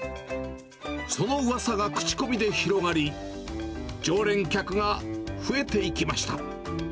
そのうわさが口コミで広がり、常連客が増えていきました。